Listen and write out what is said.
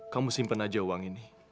kamu simpen aja uang ini